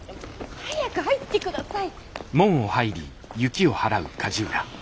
早く入って下さい！